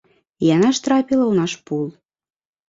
І яна ж трапіла ў наш пул.